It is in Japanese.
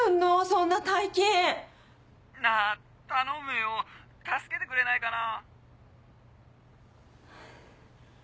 そんな大金。なぁ頼むよ助けてくれないかな。